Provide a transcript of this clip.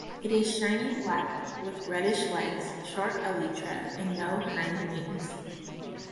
It is shiny black with reddish legs, short elytra and no hind wings.